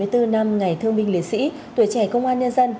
từ năm ngày thương minh liệt sĩ tuổi trẻ công an nhân dân